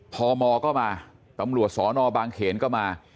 พมก็มาตำรวจสอนอบางเขนก็มา